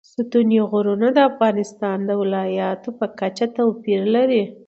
ستوني غرونه د افغانستان د ولایاتو په کچه توپیر لري.